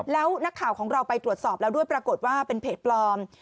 แล้วนักข่าวของเราไปตรวจสอบแล้วด้วยปรากฏว่าเป็นเพจปลอม